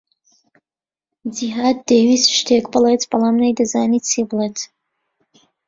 جیھاد دەیویست شتێک بڵێت، بەڵام نەیدەزانی چی بڵێت.